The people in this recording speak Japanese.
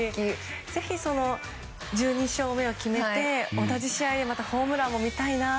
ぜひ、１２勝目を決めて同じ試合でホームランも見たいな。